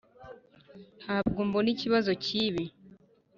ntabwo mbona ikibazo cyibi.